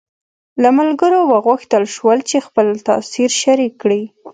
له ملګرو وغوښتل شول چې خپل تاثر شریک کړي.